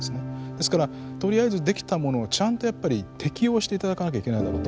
ですからとりあえずできたものをちゃんとやっぱり適用して頂かなきゃいけないだろうと思ってます。